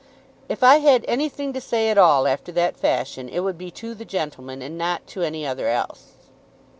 "If I had anything to say at all after that fashion it would be to the gentleman, and not to any other else.